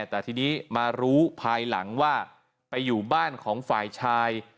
แต่ทีนี้มารู้ภายหลังว่าไปอยู่บ้านของฝ่ายชาย